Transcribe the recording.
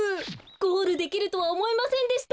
ゴールできるとはおもいませんでした。